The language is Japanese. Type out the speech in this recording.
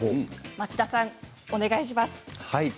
町田さん、お願いします。